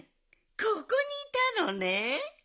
ここにいたのね。